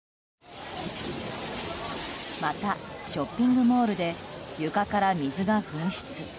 また、ショッピングモールで床から水が噴出。